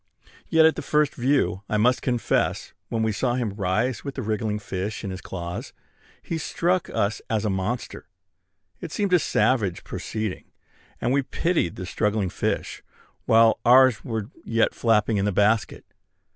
Yet at first view, I must confess, when we saw him rise with a wriggling fish in his claws, he struck us as a monster. It seemed a savage proceeding, and we pitied the struggling fish, while ours were yet flapping in the basket.